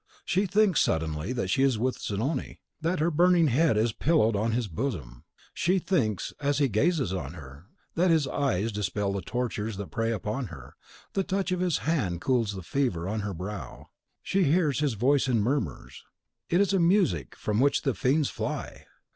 She thinks suddenly that she is with Zanoni, that her burning head is pillowed on his bosom; she thinks, as he gazes on her, that his eyes dispel the tortures that prey upon her, the touch of his hand cools the fever on her brow; she hears his voice in murmurs, it is a music from which the fiends fly.